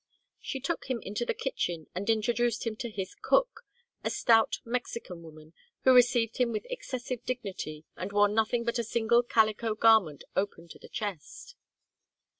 She took him into the kitchen and introduced him to his cook, a stout Mexican woman, who received him with excessive dignity, and wore nothing but a single calico garment open to the chest.